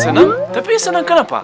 senang tapi senang kenapa